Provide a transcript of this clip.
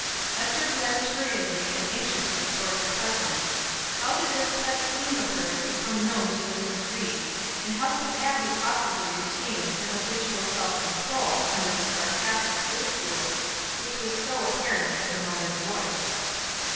Ester glanced hurriedly and anxiously toward her cousin. How did this pet scheme of hers become known to Mrs. Ried, and how could Abbie possibly retain her habitual self control under this sarcastic ridicule, which was so apparent in her mother's voice?